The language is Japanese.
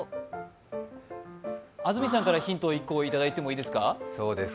安住さんからヒントを１個いただいてもいいですか？